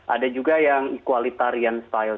ada juga yang equalitarian style